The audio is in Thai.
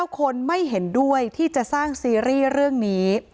คนไม่เห็นด้วยที่จะสร้างซีรีส์เรื่องนี้